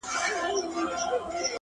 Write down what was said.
سمدستي یې پلرنی عادت په ځان سو!